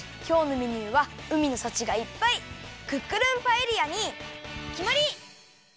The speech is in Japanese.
きょうのメニューはうみのさちがいっぱいクックルンパエリアにきまり！